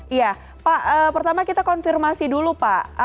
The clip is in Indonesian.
iya pak pertama kita konfirmasi dulu pak